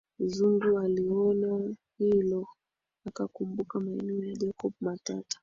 Zugu aliliona hilo akakumbuka maneno ya Jacob matata